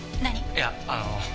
いやあの。